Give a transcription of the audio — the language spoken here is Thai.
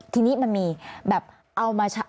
ทีนี้มันมีแบบเอามา